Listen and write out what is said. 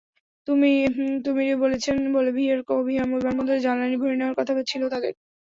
তুমিরিও বলেছেন, বলিভিয়ার কবিহা বিমানবন্দরে জ্বালানি ভরে নেওয়ার কথা ছিল তাঁদের।